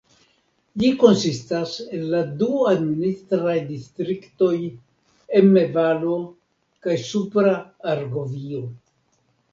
Ĝi konsistas el la du administraj distriktoj Emme-Valo kaj Supra Argovio.